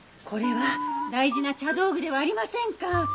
これは大事な茶道具ではありませんか。